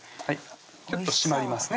キュッと締まりますね